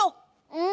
うん。